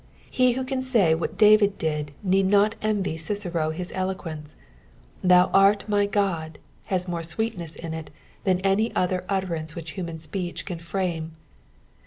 He who can say what David dia need not envy Cicero his eloquence :" Thou art m; Ood,'' has more sweetness ia it than any other utterance which human speech can flame.